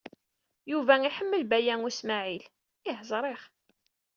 Yuba iḥemmel Baya U Smaɛil. Ih, ẓriɣ.